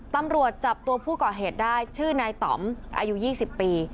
ตำรวจจับตัวผู้ก่อเหตุได้ชื่อนายต่อมอายุ๒๐ปี